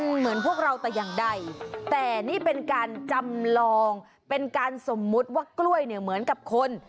เหมือนพวกเราแต่อย่างใดแต่นี่เป็นการจำลองเป็นการสมมุติว่ากล้วยเนี่ยเหมือนกับคน